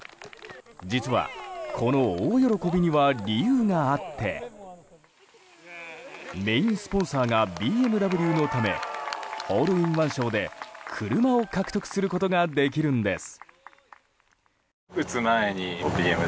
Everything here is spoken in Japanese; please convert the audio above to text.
実はこの大喜びには理由があってメインスポンサーがＢＭＷのためホールインワン賞で車を獲得することができるんです。